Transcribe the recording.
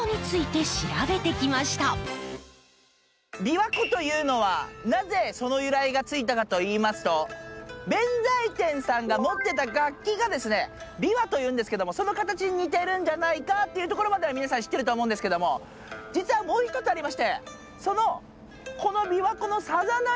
びわ湖というのはなぜその由来がついたかといいますと弁財天さんが持ってた楽器がですね琵琶というんですけどもその形に似てるんじゃないかっていうところまでは皆さん知ってると思うんですけども実はもう一つありましてこのびわ湖のさざ波の音がですね